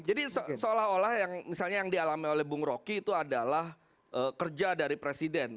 jadi seolah olah yang misalnya yang dialami oleh bung roky itu adalah kerja dari presiden